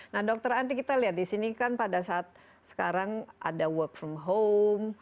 nah dokter andi kita lihat di sini kan pada saat sekarang ada work from home